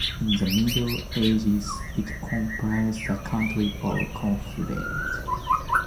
In the Middle Ages it comprised the County of Conflent.